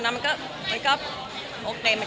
ก็เลยเอาข้าวเหนียวมะม่วงมาปากเทียน